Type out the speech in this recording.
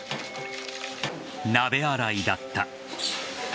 鍋洗いだった。